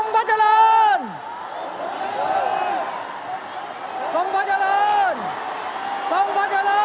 สวัสดีครับ